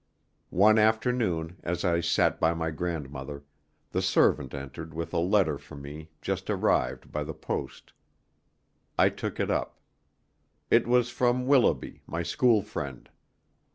One afternoon, as I sat by my grandmother, the servant entered with a letter for me just arrived by the post. I took it up. It was from Willoughby, my school friend.